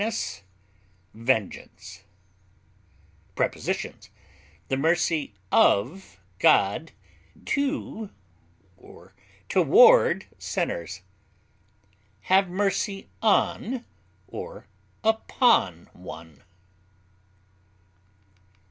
harshness, penalty, Prepositions: The mercy of God to or toward sinners; have mercy on or upon one.